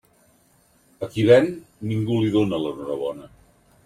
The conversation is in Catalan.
A qui ven, ningú li dóna l'enhorabona.